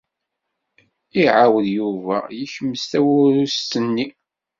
Iɛawed Yuba yekmes tawerrust-nni.